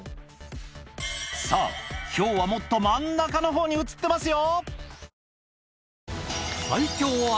さぁヒョウはもっと真ん中のほうに写ってますよ